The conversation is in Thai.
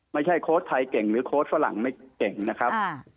โค้ชไทยเก่งหรือโค้ดฝรั่งไม่เก่งนะครับ